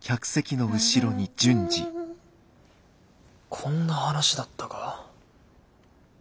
こんな話だったか？